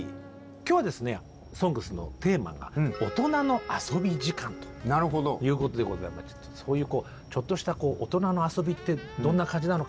今日はですね「ＳＯＮＧＳ」のテーマが「オトナの遊び時間」ということでございましてちょっとしたオトナの遊びってどんな感じなのかな。